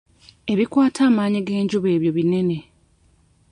Ebikwata amaanyi g'enjuba ebyo binnene.